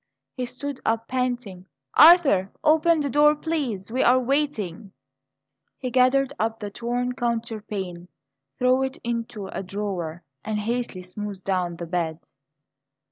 He stood up, panting. "Arthur, open the door, please; we are waiting." He gathered up the torn counterpane, threw it into a drawer, and hastily smoothed down the bed.